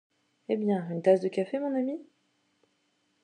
Eh bien, une tasse de café, mon ami?